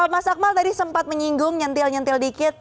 mas akmal tadi sempat menyinggung nyentil nyentil dikit